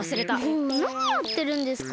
もうなにやってるんですか！